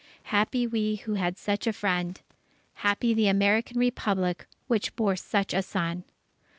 Happy we who had such a friend! Happy the American Republic which bore such a son!